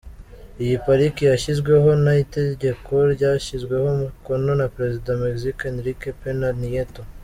Iyi pariki yashyizweho n’ itegeko ryashyizweho umukono na Perezida wa Mexique Enrique Pena Nieto.